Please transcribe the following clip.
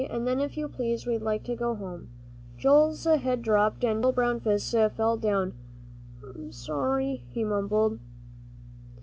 And then, if you please, we'd like to go home." Joel's head dropped, and his little brown fists fell down. "I'm sorry," he mumbled.